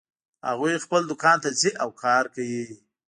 هغوی خپل دوکان ته ځي او کار کوي